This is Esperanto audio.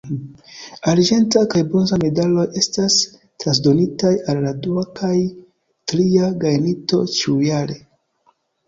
Arĝenta kaj bronza medaloj estas transdonitaj al la dua kaj tria gajninto ĉiujare.